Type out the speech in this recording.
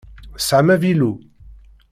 Tesɛam avilu?